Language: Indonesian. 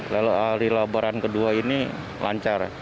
lalu di labaran kedua ini lancar